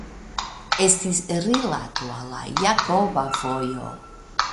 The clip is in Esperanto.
Estis rilato al la Jakoba Vojo.